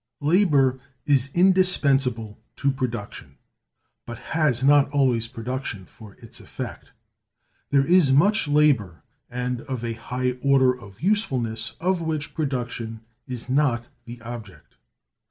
Labor is indispensable to production, but has not always production for its effect. There is much labor, and of a high order of usefulness, of which production is not the object.